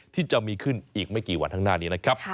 ที่จะมีขึ้นอีกไม่กี่วันข้างหน้านี้นะครับ